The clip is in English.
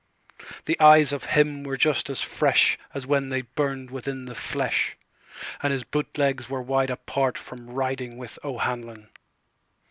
The eyes of him were just as freshAs when they burned within the flesh; And his boot legs were wide apartFrom riding with O'Hanlon.